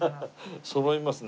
そろいますね。